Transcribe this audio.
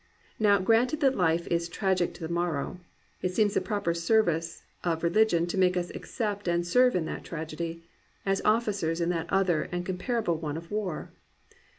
Now granted that life is tragic to the marrow, it seems the proper service of religion to make us ac cept and serve in that tragedy, as officers in that other and comparable one of war.